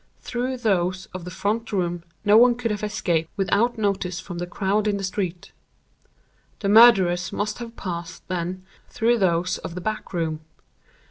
Through those of the front room no one could have escaped without notice from the crowd in the street. The murderers must have passed, then, through those of the back room.